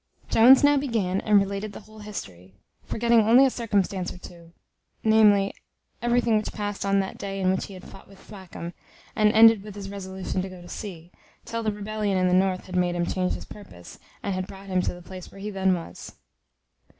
Jones now began, and related the whole history, forgetting only a circumstance or two, namely, everything which passed on that day in which he had fought with Thwackum; and ended with his resolution to go to sea, till the rebellion in the North had made him change his purpose, and had brought him to the place where he then was.